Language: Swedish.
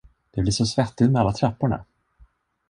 Det blir så svettigt med alla trapporna!